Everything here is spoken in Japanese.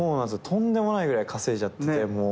とんでもないぐらい稼いじゃってて。